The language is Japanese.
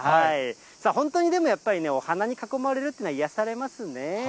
さあ、本当にでもやっぱりね、お花に囲まれるっていうのは、癒やされますよね。